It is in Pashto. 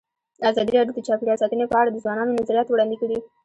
ازادي راډیو د چاپیریال ساتنه په اړه د ځوانانو نظریات وړاندې کړي.